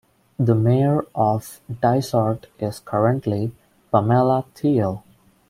The Mayor of Dysart is currently Pamela Thiele.